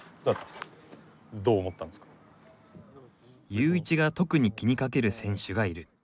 ユーイチが特に気にかける選手がいる。